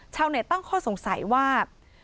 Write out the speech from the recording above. ชาวเนี่ยต้องข้อสงสัยว่า